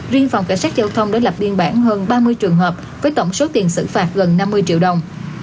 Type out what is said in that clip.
riêng phòng cảnh sát giao thông đã lập biên bản hơn ba mươi trường hợp với tổng số tiền xử phạt gần năm mươi triệu đồng